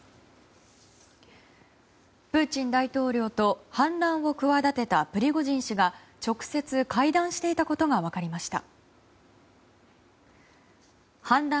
プーチン大統領と反乱を企てたプリゴジン氏が直接、会談していたことが分かりました。